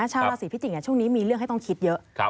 ชาวราศีพิจิกษ์ช่วงนี้มีเรื่องให้ต้องคิดเยอะ